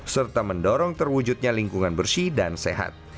serta mendorong terwujudnya lingkungan bersih and safe